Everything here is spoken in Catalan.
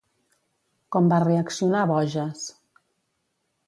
Com va reaccionar Boges?